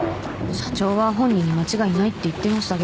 社長は本人に間違いないって言ってましたけど。